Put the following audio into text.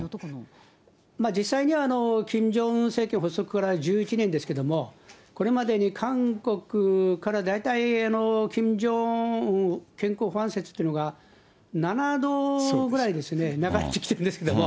実際には、キム・ジョンウン政権発足から１１年ですけども、これまでに韓国から大体キム・ジョンウン健康不安説というのが、７度ぐらいですね、流れてきてるんですけれども。